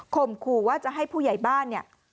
ข่มคู่ว่าจะให้ผู้ใหญ่บ้าน